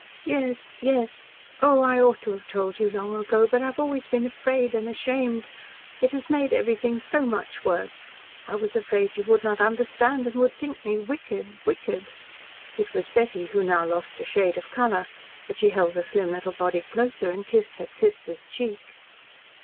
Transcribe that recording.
"Yes, yes. Oh, I ought to have told you long ago but I have always been afraid and ashamed. It has made everything so much worse. I was afraid you would not understand and would think me wicked wicked." It was Betty who now lost a shade of colour. But she held the slim little body closer and kissed her sister's cheek.